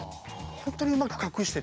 本当にうまく隠してて。